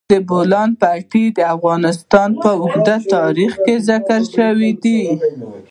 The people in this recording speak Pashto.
د بولان پټي د افغانستان په اوږده تاریخ کې ذکر شوی دی.